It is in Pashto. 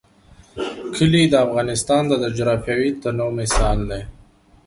کلي د افغانستان د جغرافیوي تنوع مثال دی.